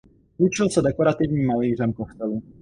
Vyučil se dekorativním malířem kostelů.